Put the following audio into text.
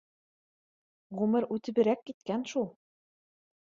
— Ғүмер үтеберәк киткән шул